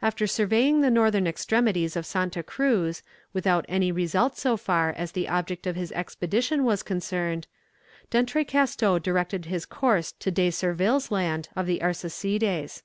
After surveying the northern extremities of Santa Cruz, without any result so far as the object of his expedition was concerned, D'Entrecasteaux directed his course to De Surville's Land of the Arsacides.